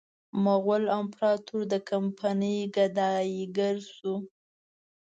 مغول امپراطور د کمپنۍ ګدایي ګر شو.